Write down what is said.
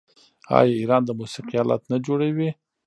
آیا ایران د موسیقۍ الات نه جوړوي؟